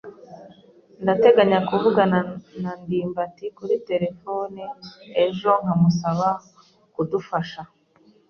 Ndateganya kuvugana na ndimbati kuri terefone ejo nkamusaba kudufasha.